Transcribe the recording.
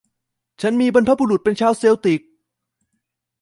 ฉันมีบรรพบุรุษเป็นชาวเชลติก